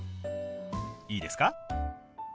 いいですか？